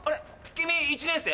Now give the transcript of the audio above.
君１年生？